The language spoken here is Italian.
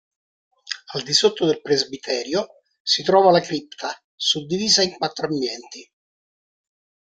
Al di sotto del presbiterio si trova la cripta, suddivisa in quattro ambienti.